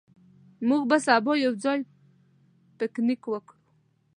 موږ به سبا یو ځای پکنیک وکړو.